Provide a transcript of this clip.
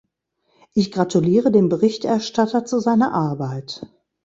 Ich gratuliere dem Berichterstatter zu seiner Arbeit.